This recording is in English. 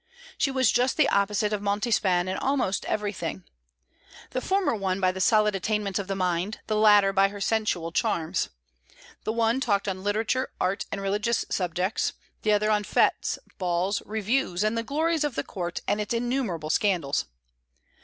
She was just the opposite of Montespan in almost everything. The former won by the solid attainments of the mind; the latter by her sensual charms. The one talked on literature, art, and religious subjects; the other on fêtes, balls, reviews, and the glories of the court and its innumerable scandals.